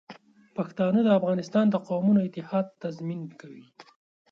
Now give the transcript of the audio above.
پښتانه د افغانستان د قومونو اتحاد تضمین کوي.